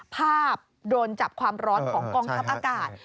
ภาพโดนจับความร้อนของกองทัพอากาศ